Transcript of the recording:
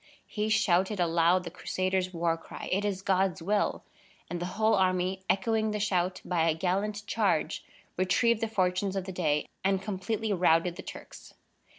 He shouted aloud the Crusaders' war cry: "It is God's will!" and the whole army, echoing the shout, by a gallant charge retrieved the fortunes of the day and completely routed the Turks.